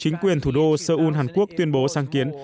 chính quyền thủ đô seoul hàn quốc tuyên bố sáng kiến